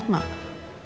kan jadi pengen